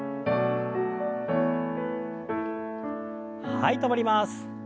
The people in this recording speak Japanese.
はい止まります。